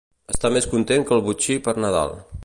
Estar més content que el botxí per Nadal.